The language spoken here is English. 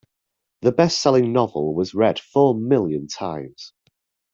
The bestselling novel was read four million times.